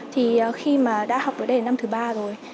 thì khi mà đã học ở đây năm thứ ba rồi